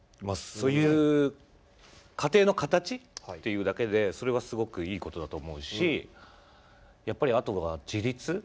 そういう家庭の形っていうだけでそれはすごくいいことだと思うしやっぱり、あとは自立。